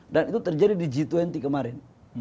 dan itu terjadi di g dua puluh kemarin